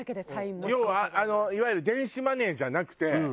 要はいわゆる電子マネーじゃなくて。